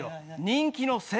人気のセ。